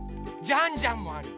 ジャンジャンもある。